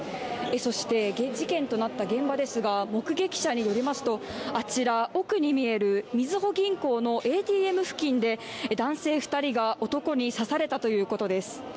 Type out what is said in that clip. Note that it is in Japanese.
そして事件となった現場ですが目撃者によりますとあちら奥に見えるみずほ銀行のＡＴＭ付近で男性２人が男に刺されたということです。